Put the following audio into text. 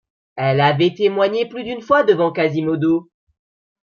Elle l’avait témoigné plus d’une fois devant Quasimodo.